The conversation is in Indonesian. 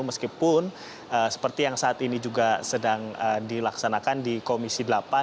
meskipun seperti yang saat ini juga sedang dilaksanakan di komisi delapan